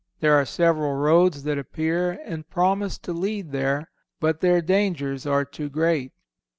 There are several roads that appear and promise to lead there, but their dangers are too great.